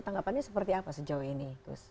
tanggapannya seperti apa sejauh ini gus